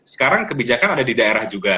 sekarang kebijakan ada di daerah juga